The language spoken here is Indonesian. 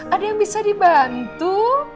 ada yang bisa dibantu